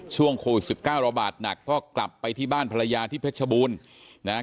ช่วงโควิด๑๙ระบาดหนักก็กลับไปที่บ้านภรรยาที่เพชรบูรณ์นะครับ